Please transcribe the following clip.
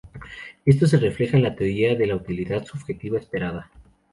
Esto se refleja en la teoría de la utilidad subjetiva esperada.